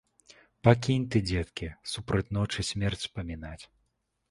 Пакінь ты, дзеткі, супроць ночы смерць успамінаць.